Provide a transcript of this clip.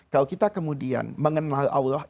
kalau kita kemudian mengenal allah